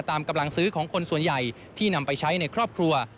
กำลังซื้อของคนส่วนใหญ่ที่นำไปใช้ในครอบครัว